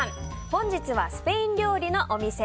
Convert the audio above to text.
本日はスペイン料理のお店